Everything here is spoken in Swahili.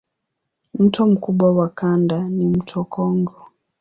Mto mkubwa wa kanda ni mto Kongo.